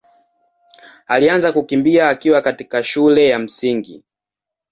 alianza kukimbia akiwa katika shule ya Msingi.